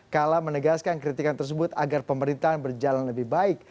kala menegaskan kritikan tersebut agar pemerintahan berjalan lebih baik